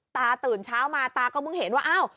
ตาตื่นเช้ามาตาก็เหมือนเห็นว่าอ้าว